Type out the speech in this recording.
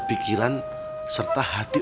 pikiran serta hati